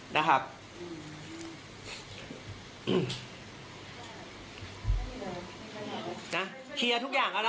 เอาล่ะคลีย์ทุกอย่างแล้วนะ